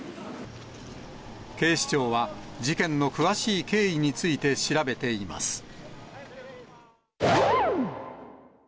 警視庁は、事件の詳しい経緯について調べています。